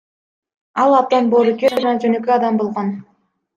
Ал абдан боорукер жана жөнөкөй адам болгон.